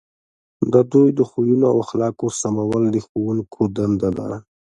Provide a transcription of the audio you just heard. د دوی د خویونو او اخلاقو سمول د ښوونکو دنده ده.